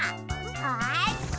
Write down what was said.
よし！